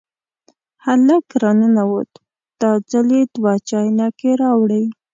هلک را ننوت، دا ځل یې دوه چاینکې راوړې.